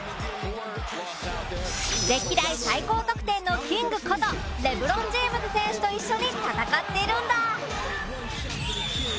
歴代最高得点のキングことレブロン・ジェームズ選手と一緒に戦っているんだ。